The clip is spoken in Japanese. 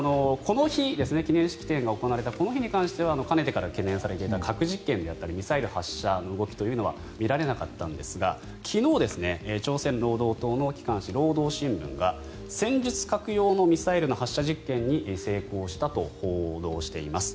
記念式典が行われたこの日に関してはかねてから懸念されていた核実験であったりミサイル発射の動きは見られなかったんですが昨日、朝鮮労働党の機関紙労働新聞が戦術核用のミサイルの発射実験に成功したと報道しています。